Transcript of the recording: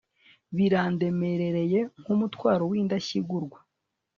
birandemereye nk'umutwaro w'indashyigurwa